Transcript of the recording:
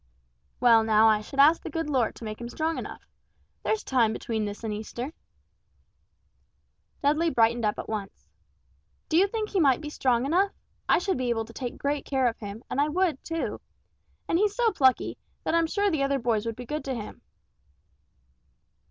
"Well now I should ask the good Lord to make him strong enough. There's time between this and Easter." Dudley brightened up at once. "Do you think he might be strong enough? I should be able to take great care of him, and I would, too. And he's so plucky, that I'm sure the other boys would be good to him."